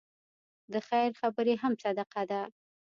د خیر خبرې هم صدقه ده.